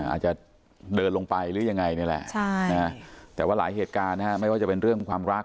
อาจจะเดินลงไปหรือยังไงนี่แหละแต่ว่าหลายเหตุการณ์ไม่ว่าจะเป็นเรื่องความรัก